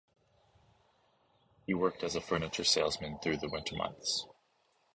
He worked as a furniture salesman through the winter months.